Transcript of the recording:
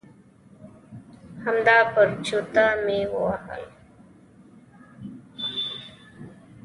همدا چرتونه مې وهل.